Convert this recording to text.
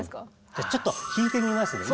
じゃちょっと弾いてみますね。